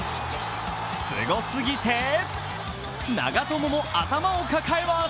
すごすぎて、長友も頭を抱えます。